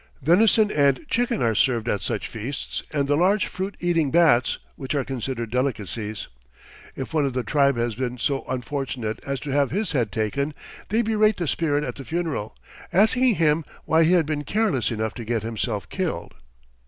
Venison and chicken are served at such feasts and the large fruit eating bats, which are considered delicacies. If one of the tribe has been so unfortunate as to have his head taken, they berate the spirit at the funeral, "asking him why he had been careless enough to get himself killed."